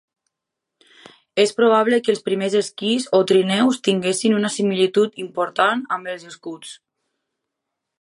És probable que els primers esquís o trineus tinguessin una similitud important amb els escuts.